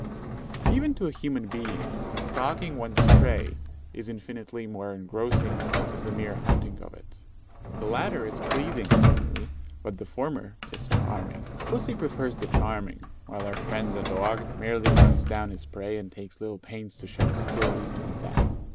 Even to a human being, stalking one's prey is infinitely more engrossing than the mere hunting of it. The latter is pleasing, certainly, but the former is charming. Pussy prefers the charming, while our friend the dog merely runs down his prey, and takes little pains to show skill even in that.